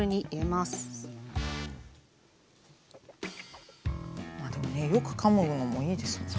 まあでもねよくかむのもいいですよね。